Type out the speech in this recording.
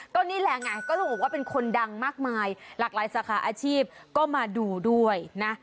ก็นี่แหละไงก็ต้องบอกว่าเป็นคนดังมากมายหลากหลายสาขาอาชีพก็มาดูด้วยนะ